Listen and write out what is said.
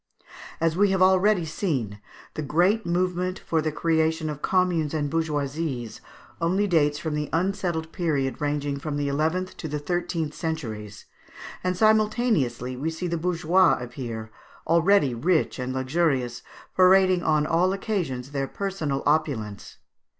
As we have already seen, the great movement for the creation of communes and bourgeoisies only dates from the unsettled period ranging from the eleventh to the thirteenth centuries, and simultaneously we see the bourgeois appear, already rich and luxurious, parading on all occasions their personal opulence.